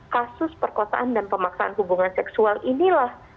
kasus perkosaan dan pemaksaan hubungan seksual inilah